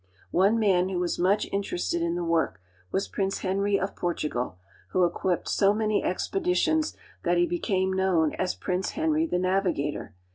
One man who was much interested in the work was Prince Henry of Portugal, who equipped so many expeditions that he became known as " Prince Henry the Navigator.